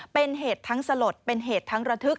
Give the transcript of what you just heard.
เป็นเหตุทั้งสลดเป็นเหตุทั้งระทึก